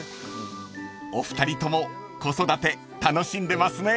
［お二人とも子育て楽しんでますね］